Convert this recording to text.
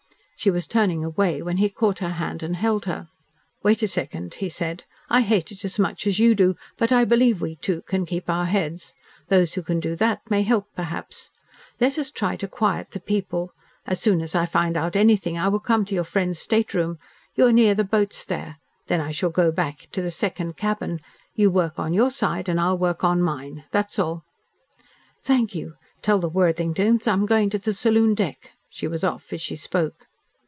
She was turning away when he caught her hand and held her. "Wait a second," he said. "I hate it as much as you do, but I believe we two can keep our heads. Those who can do that may help, perhaps. Let us try to quiet the people. As soon as I find out anything I will come to your friends' stateroom. You are near the boats there. Then I shall go back to the second cabin. You work on your side and I'll work on mine. That's all." "Thank you. Tell the Worthingtons. I'm going to the saloon deck." She was off as she spoke.